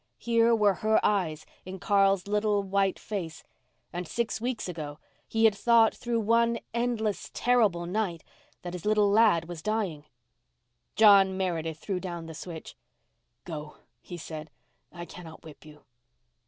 Here were her eyes in Carl's little, white face—and six weeks ago he had thought, through one endless, terrible night, that his little lad was dying. John Meredith threw down the switch. "Go," he said, "I cannot whip you."